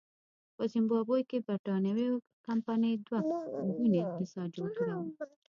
په زیمبابوې کې برېټانوۍ کمپنۍ دوه ګونی اقتصاد جوړ کړی و.